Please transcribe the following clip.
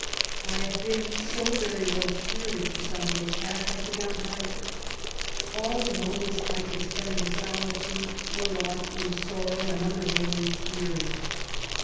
I have been so very low spirited for some days past, I could not write. All the moments I could spend in solitude were lost in sorrow and unavailing tears.